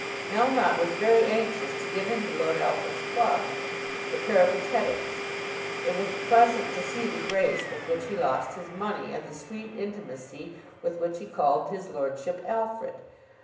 Melmotte was very anxious to get into Lord Alfred's club, The Peripatetics. It was pleasant to see the grace with which he lost his money, and the sweet intimacy with which he called his lordship Alfred.